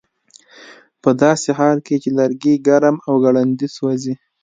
ه داسې حال کې چې لرګي ګرم او ګړندي سوځي